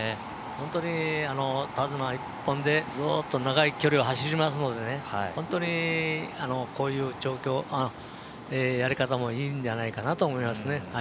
本当に手綱１本でずっと長い距離を走りますので本当にこういう調教やり方もいいんじゃないかなと思いますね。